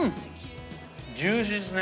ジューシーですね。